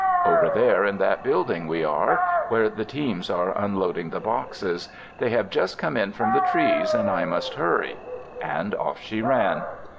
Over there in that building we are, where the teams are unloading the boxes. They have just come in from the trees, and I must hurry;" and off she ran.